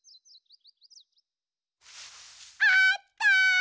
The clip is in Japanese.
あった！